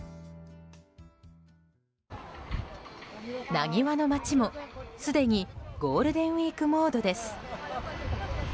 なにわの街もすでにゴールデンウィークモードです。